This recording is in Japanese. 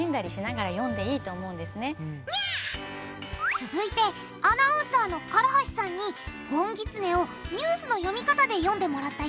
続いてアナウンサーの唐橋さんに「ごんぎつね」をニュースの読み方で読んでもらったよ！